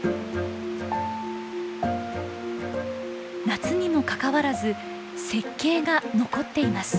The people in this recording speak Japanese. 夏にもかかわらず雪渓が残っています。